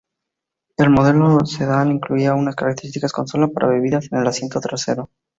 El modelo sedán incluía una característica consola para bebidas en el asiento trasero.